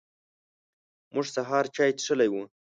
موږ سهار چای څښلی و.